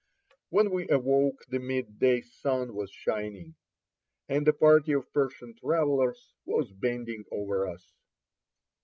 When we awoke the midday sun was shining, and a party of Persian travelers was bending over us.